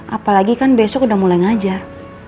apalagi kan besok udah mulai ngajar